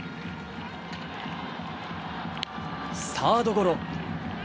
サードゴロ。